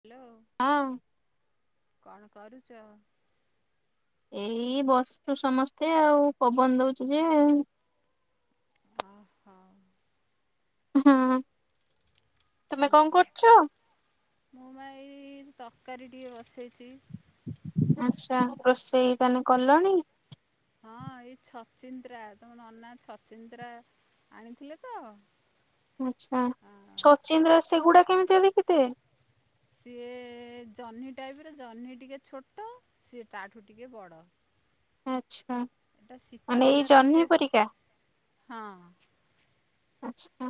Hello ହଁ କଣ କରୁଚ? ଏଇ ବସିଛୁ ସମସ୍ତେ ଆଉ ପବନ ଦଉଛି ଯେ ଓ ହୋ ହ ତମେ କଣ କରୁଛ? ମୁଁ ବା ଏ ଇ ତରକାରୀ ଟିଏ ବସେଇଛି। ଆଚ୍ଛା ରୋଷେଇ ତାଲେ କଲଣି। ହଁ ଏଇ ଛଚିନ୍ଦ୍ରା ତମ ନନା ଛଚିନ୍ଦ୍ରା ଆଣିଥିଲେ ତ। ଆଚ୍ଛା ଛଚ଼ିନ୍ଦ୍ରା ସେଗୁଡା କେମିତିଆ ଦେଖିଥିତେ। ସିଏ ଜହ୍ନି ଟାଇପର,, ଜହ୍ନି ଟିକେ ଛୋଟ ସିଏ ତାଠୁ ଟିକେ ବଡ଼। ଆଚ୍ଛା। ଏଟା ଶୀତ ଦିନରେ ଟିକେ ହଁ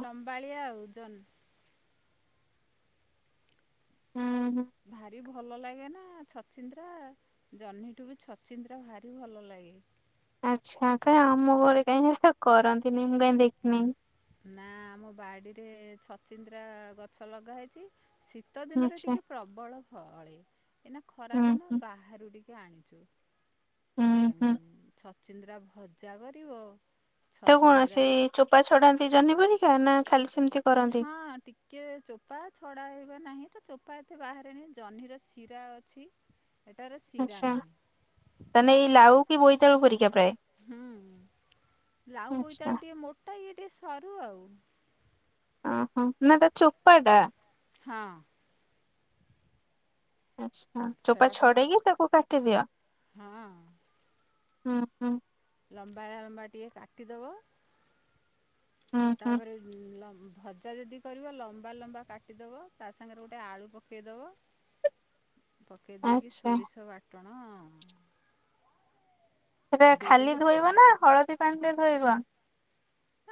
ଲମ୍ ବାଳିଆ ଓଉଜନ। ହୁଁ ହୁ ଭାରି ଭଲ ଲାଗେ ନା ଛଚିନ୍ଦ୍ରା। ଜହ୍ନିଠୁ ବି ଛଚିନ୍ଦ୍ରା ଭାରି ଭଲ ଲାଗେ। ଆଚ୍ଛା କାଆଇ ଆମ ଘଳେ କାଇଁ ହେରା କରନ୍ତିନି ମୁଁ କାଇଁ ଦେ ହୁ ନା ଆମ ବାଡ଼ିରେ ଛଚିନ୍ଦ୍ରା ଗଛ ଲଗାହେଇଛି ଶି ଶୀତ ଦିନରେ ଟିକେ ପ୍ରବଳ ଫଅଳେ ଏଇଁନା ଖରାଦିନ ବାହାରୁ ଟିକେ ଆଣିଚୁ। ଉ - ଛଚିନ୍ଦ୍ରା ଭଜା କରିବ। ଏତେ କୌଣସି ଚୋପା ଛଡାନ୍ତି ଜହ୍ନିପରିକା ନା ଖାଲି ସେମିତି। ହଁ ଟିକ। କିଏ ଚୋପା ଛଡ଼ା ହେବେ ନାହିଁ ତ ଚୋପା ଏତେ ବାହାରେନି ଜହ୍ନିର ଶିରା ଅଛି। ଏଟାରେ ଶିରା ନାହିଁ। ତାଲେ ଏଇ ଲାଉ କି ବୋଇତାଳୁ ପରିକା ପ୍ରାୟ। ହୁ [unintelligible] ଲାଉଁ ବୋଇତାଳୁ ଟିକେ ମୋଟା ଇଏ ଟିକେ ସରୁ ଆଉ। ଓ ହୋ ନା ଟା ଚୋପାଟା ହଁ। ଆଛା, ଚୋପା ଛଡେଇକି ତାକୁ କାଟିଦିଅ ହୁଁ ହୁଁ। ଲମ୍ବା ଲମ୍ବା ଟିକେ କାଟିଦେବ। ତାବରେ ଲମ୍ ଭଜା ଯଦି କରିବ, ଲମ୍ବା, ଲମ୍ବା କାଟିଦେବ ତା ସାଙ୍ଗରେ ଗୋଟେ ଆଳୁ ପକେଇଦେବ। ପକେଇ ଦେଇକି ସୋରିଷ ବାଟଣଅ। ସେରା ଖାଲି ଧୋଇବ ନା ହଳଦୀ ପାଣିରେ ଧୋଇବ।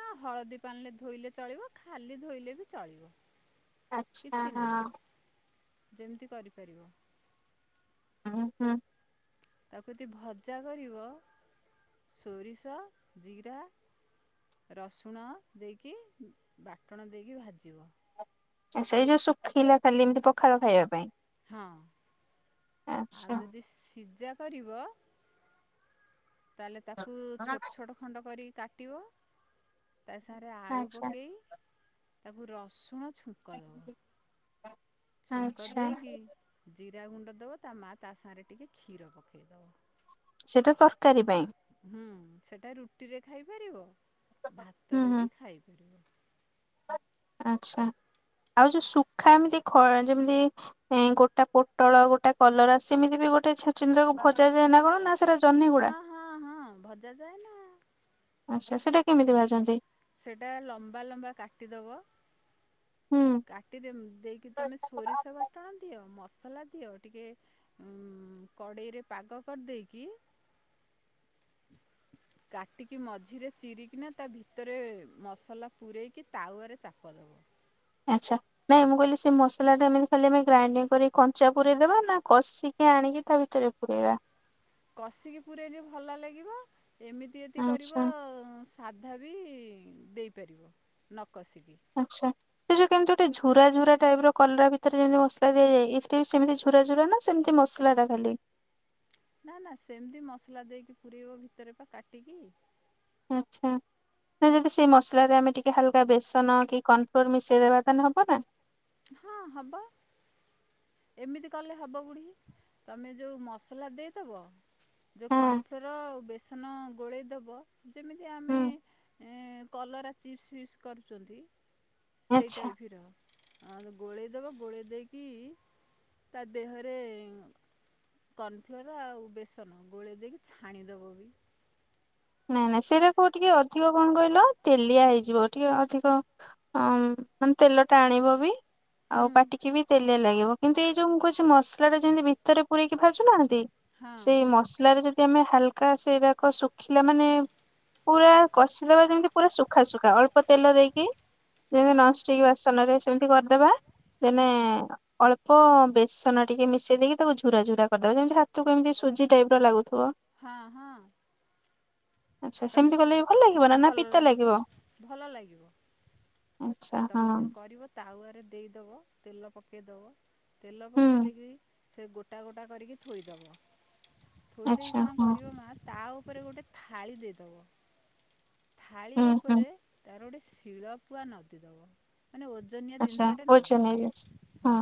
ହଁ ହଳଦୀ ପାଣିରେ ଧୋଇଲେ ଚଳିବ ଖାଲି ଧୋଇଲେ ବି ଚଳିବ। କିଛି ନାହିଁ, ଯେମିତି କରିପାରିବ। ଉ ହୁଁ। ତାକୁ ଜଦି ଭଜା କରିବ ସୋରିଷ ଜିରା ରସୁଣ ଦେଇକି ବାଟଣ ଦେଇକି ଭାଜିବ। ସେଇ ଯୋଉ ଶୁଖିଲା ଖାଲି ଏମିତି ପଖାଳ ଖାଇବା ପାଇଁ। ହଁ ଆଉ ଯଦି ସିଝା କରିବ ତା ହେଲେ ତାକୁ ଛୋଟ ଛୋଟ। ଖଣ୍ଡ କରିକି କାଟିବ ତା ସାଙ୍ଗରେ ଆଳୁ ପକେଇ ତାକୁ ରସୁଣ ଛୁଙ୍କ ଦବ। ଓ ଛୁଙ୍କ ଦେଇକି ଜିରା ଗୁଣ୍ଡ ଦେବ ତା ମା ତା ସାଙ୍ଗରେ ଟିକେ କ୍ଷୀର ପକେଇଦବ। ସେଟା ତରକାରୀ ପାଇଁ। ହୁଁ ସେଟା ରୁଟିରେ ଖାଇପାରିବ ଭାତରେ ବି ଖାଇପାରିବ। ଆଛା, ଆଉ ଯୋଉ ଶୁଖାନ୍ତି ଖ ଯେମିତି। ଏ ଗୋଟା ପୋଟଳ, ଗୋଟା କଲରା ସେମିତି ବି ଗୋଟେ ଛଚିନ୍ଦ୍ରା, କୁ ଭଜା ଯାଏନା କଣ ନା। ସେଟା ଜହ୍ନି ଗୁଡା। ହଁ, ହଁ ଭଜା ଯାଏ ନା। ଆଚ୍ଛା ସେଟା କେମିତି ଭାଜନ୍ତି? ସେଇଟା ଲମ୍ବା ଲମ୍ବା କାଟିଦବ। ହୁଁ। କାଟି ଦେମ୍ ଦେଇକି ତୁମେ ସୋରିଷ ବାଟଣା ଦିଅ ମସଲା ଦିଅ ଟିକେ ଉଁ କଡ଼େଇରେ ପାଗ କରିଦେଇକି କାଟିକି ମଝିରେ ଚିରିକିନା ତା ଭିତରେ ମସଲା ପୂରେଇକି ତାୱ। ରେ ଚାପ ଦବ। ଆଚ୍ଛା। ନାଇଁ ମୁଁ କହିଲି ସେ ମସଲା ଟା ଏମତି ଖାଲି ଆମେ ଗ୍ରାଇଡିଙ୍ଗ କରି କଞ୍ଚା ପୁରେଇଦେବା ନା କଷିକି ଆଣିକି ତା ଭିତରେ ପୂରେଇବା। କଷିକି ପୂରେଇଲେ ଯଦି ଭଲ ଲାଗିବ ଏମିତି ଏମୀତିି ଯଦି କରିବ ସାଧା ବି ଦେଇପାରିବ ନ କଷିକି। ଆଚ୍ଛା, ସେ ଯୋଉ କେମିତି ଗୋଟେ ଝୁରା ଝୁରା ଟାଇପ୍ ର କଲରା ଭିତରେ ଯେମିତି ମସଲା ଦିଆଯାଏ ଏଥିରେ ବି ସେମିତି। ଝୁରାଝୁରା ନା ସେମିତି ମସ୍‌ଲାଟା ଖାଲି। ନା ନା ସେମିତି ମସଲା ଦେଇକି ପୁରଇବ ଭିତରେ ପା କାଟିକି। ଆଛା। ସେ ଯଦି ସେଇ ମସଲାରେ ଆମେ ଟିକେ ହାଲ୍‌କା ବେସନ କି କର୍ଣ୍ଣଫ୍ଲୋର୍ ମିଶେଇଦବା ତାହେଲେ ହବ ନା। ହଁ, ହବ। ଏମିତି କଲେ ହବ ବୁଢ଼ୀ ତମେ ଯେଉ ମସଲା ଦେଇଦବ। ଯଉ କର୍ଣ୍ଣ ଫ୍ଲୋର୍, ବେସନ ଗୋଳେଇଦବ। ଯେମିତି ଆମେ କଲରା ଚିପ୍ସ୍ ଫିସ୍‌ କରୁଚନ୍ତି। ସେଇଟାଇ ଟାଇପର ଆ ଗୋଳେଇଦବ ଗୋଳେଇ ଦେଇକି ତା ଦେହରେ ଉଁ କର୍ଣ୍ନଫ୍ଲୋର୍ ଆଉ ବେସନ ଗୋଳେଇ ଦେଇକି ଛାଣିଦବ ବି। ନାଇ ନାଇ ସେଇଟା କୁହ ଟିକେ ଅଧିକ କଣ କହିଲ ତେଲିଆ ହେଇଯିବ ଟିକେ ଅଧିକ ହଁ ମାନେ ତେଲ ଟା ଆଣିବ ବି ଆଉ ପାଟିକି ବି ତେଲି ଲାଗିବ କିନ୍ତୁ ଏଇ ଯୋଉ ମୁଁ କହୁଛି ମସଲା ଟା ଯେମିତି ଭିତରେ ପୁରଇକି ଭାଜୁନାହାନ୍ତି। ସେଇ ମସଲାରେ ଯଦି ଆମେ ହାଲ୍‌କା ସେ ଡାକ ଶୁଖ ଶୁଖିଲା ମାନେ ପୁରା କଷିଲା ଲାଯେମିତି ପୁରା ଶୁଖା ଶୁଖା ଅଳ୍ପ ତେଲ ଦେଇ ଯେମିତି ନଷ୍ଟିକ୍‌ ବାସନରେ ସେମତି କରିଦେବା ଦେନ୍ ଅଳ୍ପ ବେସନ ଟିକେ ମିଶେଇ ଦେଇକି ତାକୁ ଝୁରା ଝୁରା କରିଦବ ଯେମତି ହାତକୁ ଏମିତି ସୁଜି ଟାଇପ୍ ର ଲାଗୁଥିବ। ହଁ, ହଁ ଆଛା ସେମ୍‌ତି କଲେ ବି ଭଲ ଲାଗିବ ନା ପିତା ଲାଗିବ। ଆଚ୍ଛା ହଁ ତାୱ ରେ ଦେଇଦେବ ତେଲ ପକାଇଦବ ତେଲ ପକେଇ ଦେଇକି ସେ ଗୋଟା ଗୋଟା କରିକି ଥୋଇଦବ। ଥୋଇ ଦେଇକି କଣ କରିବ ମା ତା ଉପରେ ଗୋଟେ ଥାଳି ଦେଇଦେବ। ଥାଳି ଉପରେ ତାର ଗୋଟେ ଶିଳପୁଆ ନଦୀ ଦବ। ମାନେ ଓଜନଆ ଜିନିଷଟେ ନଦିବ ହଁ।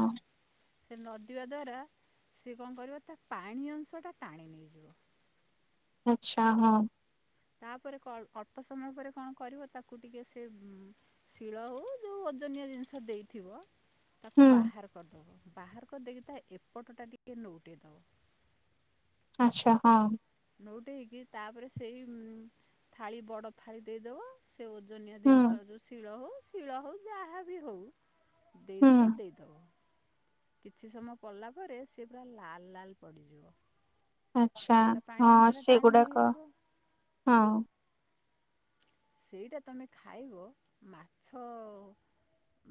ସେ ନଦିବା ଦ୍ୱାରା ସେ କଣ କରିବ ତା ପାଣି ଅଂଶଟା ଟାଣି ନେଇଯିବ। ଆଚ୍ଛା ହଁ। ତାପରେ କ ଅଳ୍ପ ସମୟ ପରେ କଣ କରିବ ତାକୁ ଟିକେ ସେ ଶିଳ ହଉ ଯୋଉ ଓଜନିଆ ଜିନିଷ ଦେଇଥିବ ତାକୁ ବାହାର କରିଦବ ବାହାର କରିଦେଇକି ତା ଏପଟଟା ଟିକେ ନଉଟେଇଦବ ଆଛା ହଁ। ନଉଟେଇକି ତାପରେ ସେଇ ଥାଳି ବଡ ଥାଳି ଦେଇଦବ ସେ ଓଜନିଆ ଜିନିଷ ଯଉ ଶିଳ ହଉ ଶିଳ ହଉ ଯାହା ବି ହଉ ଦେଇଥିବ ଦେଇଦବ କିଛି ସମୟ ପଡ଼ିଲା ପରେ ସେ ପୁରା ଲାଲ୍‌ଲାଲ୍ ପଡିଯିବ ଆଚ୍ଛା। ତା ପାଣି ଅଂଶ ଟା ଟାଣି ନେଇଯାଇଥିବ ସେଇଟା ତମେ ଖାଇବ ମାଛ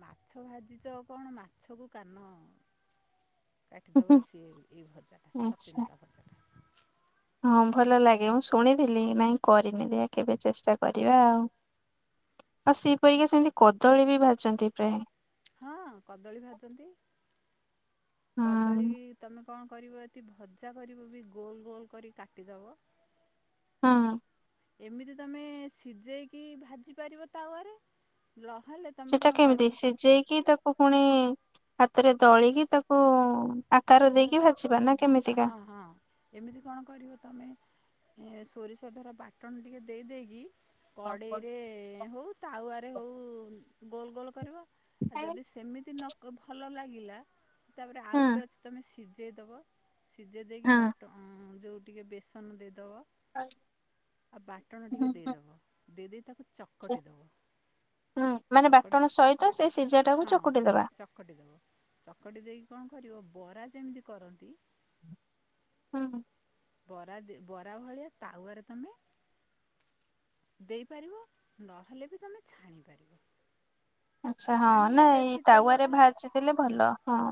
ମାଛ ଭାଜି ତ କଣ ମାଛକୁ କାନ କାଟିି ଦେବେ ସେ ଏହି ଭଜାଛ ଚିନ୍ଦ୍ରା ଭଜା ହଁ ଭଲ ଲାଗେ ମୁଁ ଶୁଣିଥିଲି ନାଇଁ କରିନି ଦଆ କେବେ ଚେଷ୍ଟା କରିବା ଆଉ ଆଉ ସେପରିକା ସେମିତି କଦଳୀ ବି ଭାଜନ୍ତି ପ୍ରାୟ ହଁ କଦଳୀ ଭାଜନ୍ତି କଦଳୀ ତମେ କଣ କରିବ ଏତିି ଭଜା କରିବ ବି ଗୋଲ ଗୋଲ କରି କାଟିଦେବ। ହଁ ଏମିତି ତମେ ସିଝେଇକି ଭାଜି ପାରିବ ତାୱା ଘରେ ନହେଲେ ସେଟା କେମିତି ସିଝେଇକି ତାକୁ ତା ପୁଣି ହାତରେ ଦଳିକି ତାକୁ ଆକାର ଦେଇକି ଭାଜିବା ନା ହଁ ହଁ ଏମିତି କଣ କରିବ ତମେ ସୋରିଷ ଧର ବାଟନ ଟିକେ ଦେଇଦେଇକି କଡ଼େଇରେ ହଉ ତାୱା ରେ ହଉ ଗୋଲ ଗୋଲ କରିବ ଆଉ ଯଦି ସେମିତି ନ ଭଲ ଲାଗିଲା ତାପରେ ଆଉ ଗୋଟେ ଅ ତମେ ସିଝେଇ ଦେବ ସିଝେଇ ଦେଇକି ବାଟ ଯେଉ ଟିକେ ବେସନ ଦେଇଦେବ ଆଉ ବାଟଣ ଟିକେ ଦେଇଦବ ଦେଇ ଦେଇେଇ ତାକୁ ଚ ହୁଁ ମାନେ ବାଟଣ ସହିତ ସେ ସିଝା ଟାକୁ ଚକୁଟି ଦେବା ଚ ଚଟି ଦେବ ଚକଟି ଦେଇକି ବାର ଯେମିତି କରନ୍ତି ହୁଁ। ବରା ବରା ଭଳିଆ ତାୱରେ ତମେ ଦେଇପାରିବ ନହେଲେ ବି ତମେ ଛାଣିପାରିବ। ଛାଣିିଲେ ବେଶୀ ତେଲ ଟା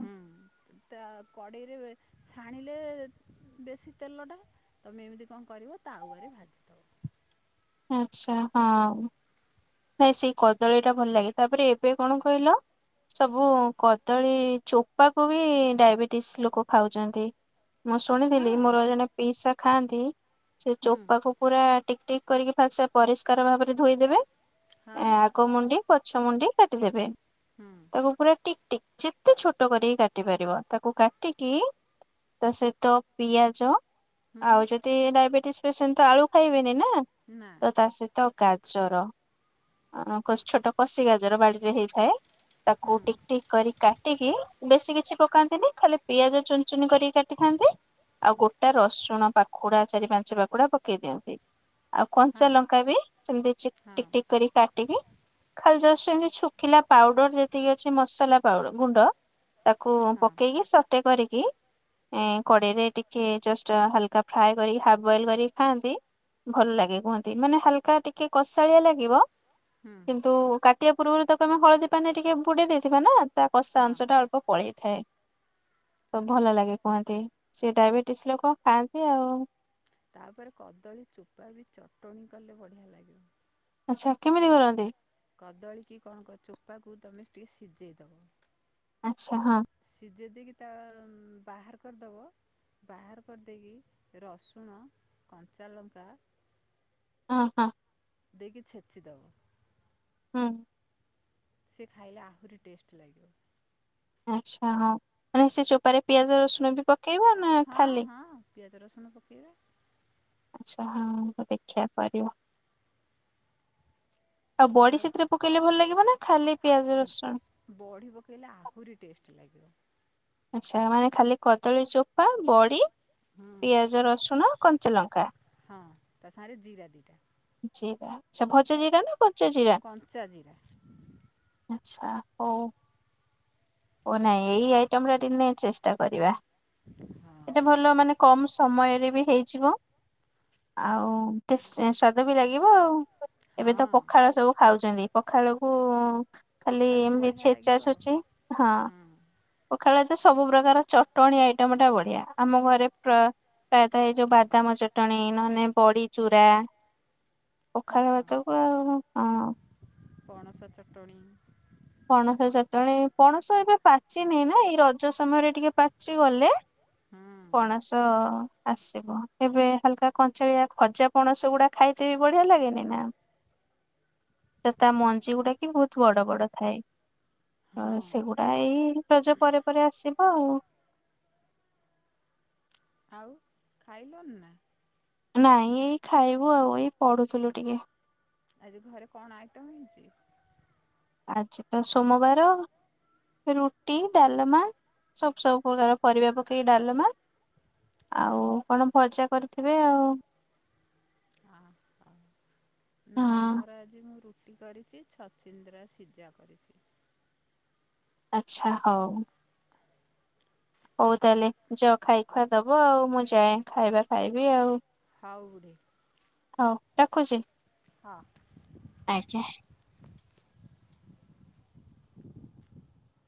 ହୁଁ। ତା କଡ଼େଇରେ ଏ ଛାଣିଲେ ବେଶୀ ତେଲଟା ତୁମେ ଏମିତି କଣ କରିବ ତାୱାରେ ଭାଜିଦବ। ଆଚଛା ହଉ। ନାଇଁ ସେଇ କଦଳୀ ଟା ଭଲ ଲାଗେ ତାପରେ ଏବେ କଣ କହିଲ? ସବୁ କଦଳୀ ଚୋପା କୁ ବି ଡାଇବେଟିସ ଲୋକ ଖାଉଚନ୍ତି। ମୁଁ ଶୁଣିଥିଲି ମୋର ଜଣେ ପିସା ଖାଆନ୍ତି ସେ ଚୋପାକୁ ପୁରା ଟିକ ଟିକ କରିକି ଫାଷ୍ଟ ପରିଷ୍କାର ଭାବରେ ଧୋଇଦେବେ। ଆ ଆଗ ମୁଣ୍ଡି ପଛ ମୁଣ୍ଡି କାଟିଦବେ। ହୁଁ। ତାକୁ ପୁରା ଟିକ ଟିକ ଯେତେ ଛୋଟ କରିକି କାଟି ପାରିବ ତାକୁ କାଟିକି ତା ସହିତ ପିଆଜ ଆଉ ଯଦି ଡାଇବେଟିସ୍ ପେସେଣ୍ଟ ତ ଆଳୁ ଖାଇବେନି ନା। ନା। ଏ ତା ସହିତ ଗାଜର। ରୁମ୍ କୁ ଅ ଛୋଟ କଷି ଗାଜର ବାଡିରେ ହେଇଥାଏ ତାକୁ ଟିକଟିକ କରି କାଟିକି ବେଶୀ କିଛି ପକାନ୍ତିନି ଖାଲି ପିଆଜ ଚୁନ ଚୁନ କରିକି କାଟିଥାନ୍ତି। ଆଉ ଗୋଟା ରସୁଣ ପାଖୁଡା ଚାରି ପାଞ୍ଚ ପାଖୁଡା ପକେଇ ଦିଅନ୍ତି। ଆଉ କଞ୍ଚା ଲଙ୍କା ବି ସେମତିି ଚି ଟିକ ଟିକ କରିକି କାଟିକି ଖାଲି ଜଷ୍ଟ ଏମତି ଛୁଖିଲା ପାଉଡର ଯେତିକି ଅଛି ମସଲା ପାଉଡ ଗୁଣ୍ଡ ତାକୁ ପକେଇକି ସଟେ କରିକି ଏ କଡ଼େଇରେ ଟିକେ ଜଷ୍ଟ ହଲକା ଫ୍ରାଏ କରି ହାପ୍ ବଏଲ କରି ଖାଆନ୍ତି। ଭଲ ଲାଗେ କୁହନ୍ତି ମାନେ ହାଲକା ଟିକେ କଷାଳିଆ ଲାଗିବ। ହୁଁ। କିନ୍ତୁ କାଟିବା ପୂର୍ବରୁ ତାକୁ ଆମେ ହଳଦୀ ପାଣିରେ ଟିକେ ବୁଡେଇ ଦେଇଥିବା ନା ତା କଷା ଅଂଶଟା ଅଳ୍ ପଳେଇଥାଏ। ତ ଭଲ ଲାଗେ କୁହନ୍ତି। ସେ ଡାଇବେଟିସ ଲୋକ ଖାଆନ୍ତି ଆଉ। ତାପରେ କଦଳୀ ଚୋପା ବି ଚଟଣି କଲେ ବଢିଆ ଲାଗିବ। ଆଚ୍ଛା କେମିତି କରନ୍ତି? କଦଳୀ କିି କଣ କ ଚୋପାକୁ ତୁମେ ଟିକେ ସିଝେଇଦବ। ଆଚ୍ଛା ହଁ। ସିଝେଇ ଦେଇକି ତା ଆବାହାର କରିଦବ। ବାହାର କରିଦେଇକି ରସୁଣ କଞ୍ଚା ଲଙ୍କା ଅଁ ହା। ଦେଇକି ଛେଚି ଦବ। ହୁଁ। ସେ ଖାଇଲେ ଆହୁରି ଟେଷ୍ଟ ଲାଗିବ। ଆଚ୍ଛା ହଉ ମାନେ ସେ ଚୋପାରେ ପିଆଜ ରସୁଣ ବି ପକ କେଇବ ନା ହଁ ହଁ ପିଆଜ ରସୁଣ ପକେଇବେ। ଆଛା ହଁ ଦେଖିବା କରିବ ଆଉ ବଡି ସେଥିରେ ପକେଇଲେ ଭଲ ଲାଗିବ ନା ଖାଲି ପିଆଜ ରସୁଣ? ବଢ଼ି ପକେଇଲେ ଆହୁରି ଟେଷ୍ଟ ଲାଗିବ ଆଚ୍ଛା ମାନେ ଖାଲି କଦଳୀ ଚୋପା ବଡ଼ି ପିଆଜ ରସୁଣ କଞ୍ଚାଲଙ୍କା। ଜିରା ଆଛା ଭଜା ଜିରା ନା କଞ୍ଚା ଜିରା? କଞ୍ଚା ଜିରା। ଆଛା ହଉ। ଓ ନାଇଁ ଏଇ ଆଇଟମ ରା ଦିନେ ଚେଷ୍ଟା କରିବା। ହଁ। ଭଲ ମାନେ କମ ସମୟରେ ବି ହେଇଯିବ। ଆଉ ଟେ-ଷ-ସ୍ଵାଦ ବି ଲାଗିବ ଆଉ। ଏବେ ତ ପଖାଳ ସବୁ ଖାଉଚନ୍ତି ପଖାଳ କୁ ଖାଲି ଏମତି ଛେଚା ଛୁଚି ହଁ। ପଖାଳ ତ ସବୁ ପ୍ରକାର ଚଟଣୀ ଆଇଟମ ଟା ବଢିଆ। ଆମ ଘରେ ପ୍ର ପ୍ରାୟତଃ ଏଇ ଯୋଉ ବାଦାମ ଚଟଣୀ ନହେଲେ ବଡି ଚୁରା ପଖାଳ ଭାତକୁ ଆଉ ହଁ। ପଣସ ଚଟଣି। ପଣସ ଚଟଣୀ ପଣସ ଏବେ ପାଚି ନି ନା ଏଇ ରଜ ସମୟରେ ଟିକେ ପାଚି ଗଲେ ପଣସ ଆସିବ। ଏବେ ହାଲକା କଞ୍ଚଳିଆ ଖଜା ପଣସ ଗୁଡା ଖାଇଦେବି ବଢିଆ ଲାଗେନି ନା? ତ ତା ମଞ୍ଜି ଗୁଡାକି ବହୁତ ବଡ ବଡ ଥାଏ। ସେଗୁଡା ଏଇ ରଜ ପରେ ପରେ ଆସିବ ଆଉ। ଆଉ ଖାଇଲଣି ନା? ନାଇଁ ଏଇ ଖାଇବୁ ଆଉ ଏଇ ପଢୁଥୁଲୁ ଟିକେ। ଆଜି ଘରେ କଣ ଆଇଟମ ହେଇଚି? ଆଜି ତ ସୋମବାର। ରୁଟି ଡାଲମା ସବୁ ସବୁ ପ୍ରକାର ପରିବା ପକେଇକି ଡାଲମା। ଆଉ କଣ ଭଜା କରିଥିବେ ଆଉ। ଆହଁ। ନା ଆମର ଆଜି ମୁଁ ରୁଟି କରିଚି ଛଚିନ୍ଦ୍ରା ସିଝା କରିଚି। ଆଚ୍ଛା ହଉ। ହଉ ତାହେଲେ ଯଅ ଖାଇ ଖୁଆ ଦବ ଆଉ ମୁଁ ଯାଏ ଖାଇବା ଖାଇବି ଆଉ। ହଉ ବୁଢୀ। ହଉ ରଖୁଚି? ହଁ। ଆଜ୍ଞା।